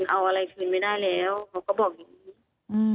เอาอะไรทืนน่ะออกมาริดาลีมาเบาะ